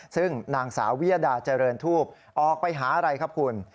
ซึ่งนางสาววิยดาเจริญทูปออกไปหาอะไรครับคุณ